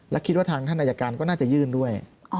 และคิดว่าทางท่านอายการก็น่าจะยื่นด้วย